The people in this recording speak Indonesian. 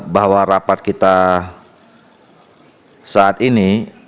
bahwa rapat kita saat ini